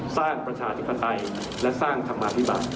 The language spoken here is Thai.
สร้างประชาธิบัตรและสร้างธรรมาธิบัตร